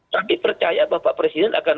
tapi percaya bapak presiden akan